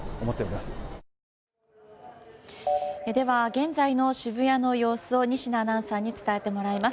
現在の渋谷の様子を仁科アナウンサーに伝えてもらいます。